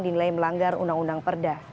dinilai melanggar undang undang perda